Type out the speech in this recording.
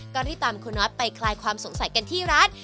ก็รีบตามคุณน็อตไปคลายความสงสัยกันที่ร้าน